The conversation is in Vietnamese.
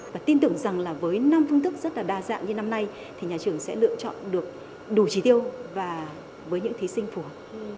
và tin tưởng rằng là với năm phương thức rất là đa dạng như năm nay thì nhà trường sẽ lựa chọn được đủ trí tiêu và với những thí sinh phù hợp